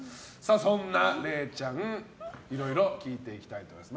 そんなれいちゃんにいろいろ聞いていきたいと思います。